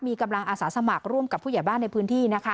มีกำลังอาสาสมัครร่วมกับผู้ใหญ่บ้านในพื้นที่นะคะ